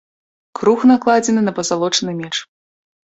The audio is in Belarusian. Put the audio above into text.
Круг накладзены на пазалочаны меч.